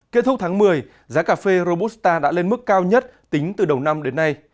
kết thúc tháng một mươi giá cà phê robusta đã lên mức cao nhất tính từ đầu năm đến nay